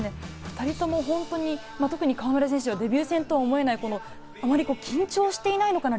２人とも本当に特に河村選手はデビュー戦とは思えない、緊張していないのかな？